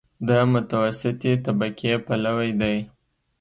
د متوسطې طبقې پلوی دی.